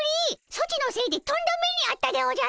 ソチのせいでとんだ目にあったでおじゃる！